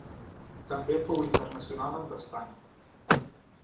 També fou internacional amb Espanya.